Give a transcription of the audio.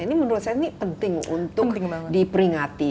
ini menurut saya ini penting untuk diperingati